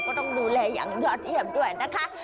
ก็ต้องดูแลอย่างยอดเยี่ยมด้วยนะคะ